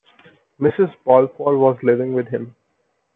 Mrs Balfour was living with him.